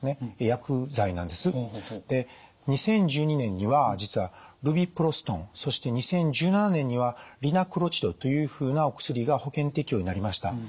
で２０１２年には実はルビプロストンそして２０１７年にはリナクロチドというふうなお薬が保険適用になりました。